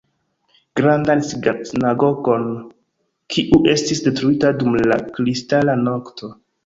Grandan sinagogon, kiu estis detruita dum la Kristala nokto.